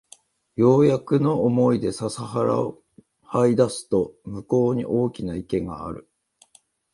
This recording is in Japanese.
ようやくの思いで笹原を這い出すと向こうに大きな池がある